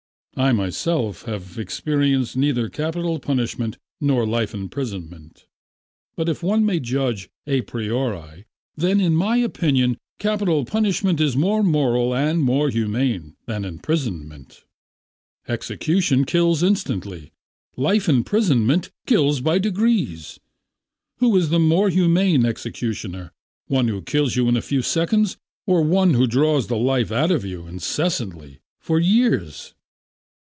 "I myself have experienced neither capital punishment nor life imprisonment, but if one may judge a priori, then in my opinion capital punishment is more moral and more humane than imprisonment. Execution kills instantly, life imprisonment kills by degrees. Who is the more humane executioner, one who kills you in a few seconds or one who draws the life out of you incessantly, for years?"